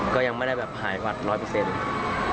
ก็ยังไม่ได้แบบหายหวัดร้อยเปอร์เซนต์อืมอ่า